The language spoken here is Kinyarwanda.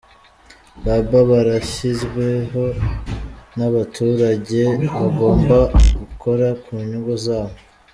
Baba barashyizweho n’abaturage bagomba kukora ku nyungu zabo.